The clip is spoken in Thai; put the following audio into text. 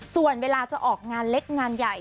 ส่วนเวลาจะออกงานเล็กงานใหญ่